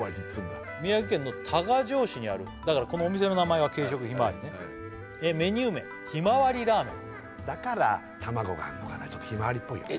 宮城県の多賀城市にあるだからこのお店の名前は軽食ひまわりねメニュー名ひまわりラーメンだから卵がちょっとひまわりっぽいよね